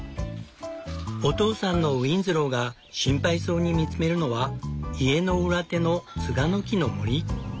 お父さんのウィンズローが心配そうに見つめるのは家の裏手のツガの木の森。